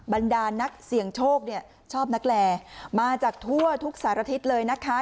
บรรดานักเสี่ยงโชคเนี่ยชอบนักแลมาจากทั่วทุกสารทิศเลยนะคะ